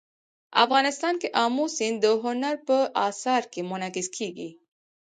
افغانستان کې آمو سیند د هنر په اثار کې منعکس کېږي.